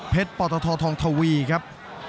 เพชรปอตทธทองทวีครับ